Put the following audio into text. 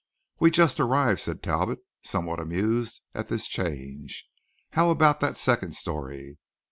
"We just arrived," said Talbot, somewhat amused at this change. "How about that second story?"